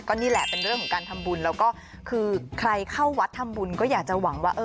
นี่แหละเป็นเรื่องของการทำบุญแล้วก็คือใครเข้าวัดทำบุญก็อยากจะหวังว่า